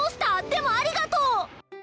でもありがとう！